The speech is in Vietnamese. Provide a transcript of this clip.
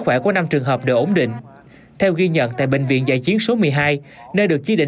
khỏe của năm trường hợp đều ổn định theo ghi nhận tại bệnh viện giã chiến số một mươi hai nơi được chi định